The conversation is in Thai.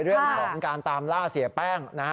เรื่องของการตามล่าเสียแป้งนะฮะ